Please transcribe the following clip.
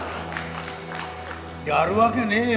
やるわけねえよ